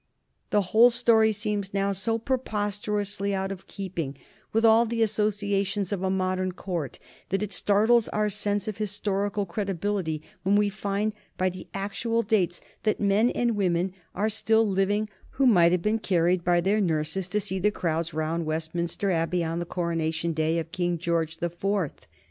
The whole story seems now so preposterously out of keeping with all the associations of a modern Court that it startles our sense of historical credibility when we find by the actual dates that men and women are still living who might have been carried by their nurses to see the crowds round Westminster Abbey on the Coronation Day of King George the Fourth.